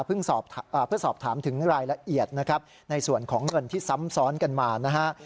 เพื่อสอบถามถึงรายละเอียดนะครับในส่วนของเงินที่ซ้ำซ้อนกันมานะฮะ